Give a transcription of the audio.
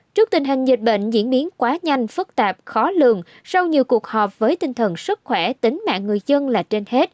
trước tình hình dịch bệnh diễn biến quá nhanh phức tạp khó lường sau nhiều cuộc họp với tinh thần sức khỏe tính mạng người dân là trên hết